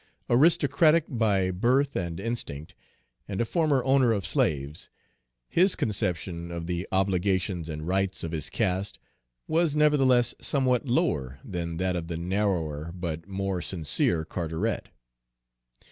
Aristocratic by birth and instinct, and a former owner of slaves, his conception of the obligations and rights of his caste was nevertheless somewhat lower than that of the narrower but more sincere Carteret.